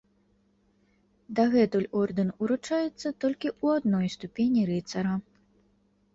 Дагэтуль ордэн уручаецца толькі ў адной ступені рыцара.